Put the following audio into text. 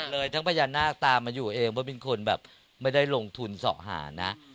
เป็นเลยทั้งพญานาคตามมาอยู่เองพวกนี้คนแบบไม่ได้ลงทุนเสาหานะ